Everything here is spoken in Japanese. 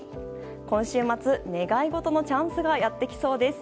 今週末、願い事のチャンスがやってきそうです。